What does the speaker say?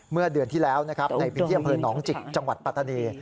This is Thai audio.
เมื่อเดือนที่แล้วนะครับในพื้นที่อำเภอหนองจิกจังหวัดปัตตานี